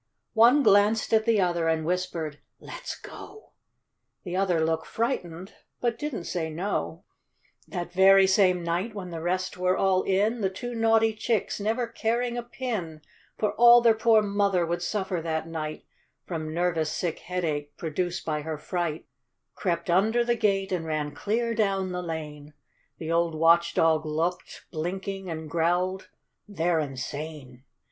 One glanced at the other, and whispered, "Let's go." The other looked frightened, but didn't say no. 48 THE DISOBEDIENT CHICKS. That very same night, when the rest were all in, The two naughty chicks, — never caring a pin F or all their poor mother would suffer that night, From nervous sick headache, produced by her fright, — Crept under the gate, and ran clear down the lane ; The old watch dog looked, blinking, and growled, " They're insane."